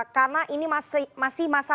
karena ini masih masa